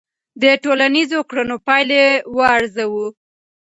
د ټولنیزو کړنو پایلې وارزوه.